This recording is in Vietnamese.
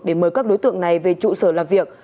để mời các đối tượng này về trụ sở làm việc